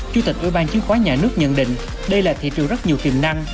chủ tịch ủy ban chứng khoán nhà nước nhận định đây là thị trường rất nhiều tiềm năng